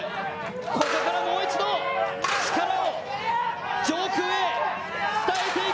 ここからもう一度、しかも上空へ伝えていく。